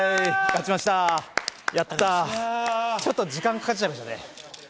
ちょっと時間かかっちゃいましたね。